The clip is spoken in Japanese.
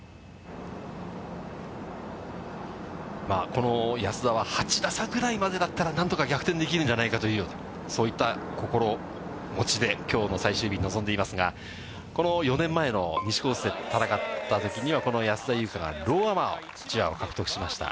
この安田は、８打差ぐらいまでだったらなんとか逆転できるんじゃないかというような、そういった心持ちで、きょうの最終日に臨んでいますが、この４年前の西コースで戦ったときには、この安田祐香がローアマを獲得しました。